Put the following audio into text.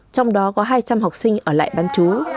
trong đó có hai trăm linh học sinh ở lại bán chú